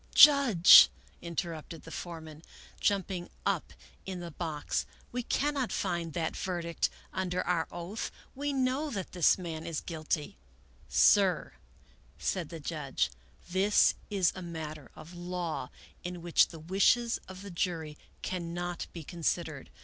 "Judge," interrupted the foreman, jumping up in the 93 American Mystery Stories box, " we cannot find that verdict under our oath; we know that this man is guilty." Sir," said the judge, " this is a matter of law in which the wishes of the jury cannot be considered.